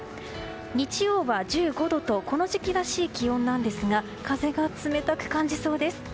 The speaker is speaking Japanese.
日曜日は１５度とこの時期らしい気温なんですが風が冷たく感じそうです。